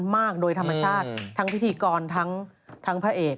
มากโดยธรรมชาติทั้งพิธีกรทั้งพระเอก